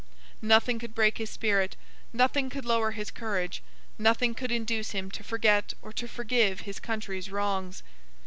Nothing could break his spirit; nothing could lower his courage; nothing could induce him to forget or to forgive his country's wrongs.